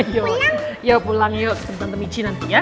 yaudah pulang yuk ke tante nici nanti ya